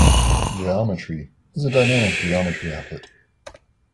Jeometry is a dynamic geometry applet.